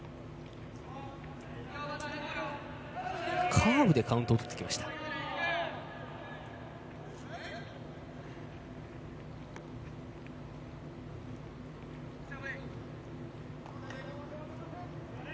カーブでカウントを取ってきました。